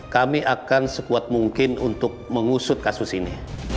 kami akan sekuat mungkin untuk mengusut kasus ini